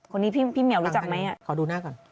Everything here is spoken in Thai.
คนนี้พี่เหมียวรู้จักไหมอ่ะคังฮานิวขอดูหน้าก่อน